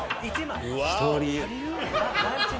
１人。